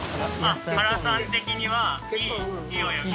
原さん的にはいい泳ぎ？